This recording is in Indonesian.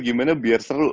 gimana biar seru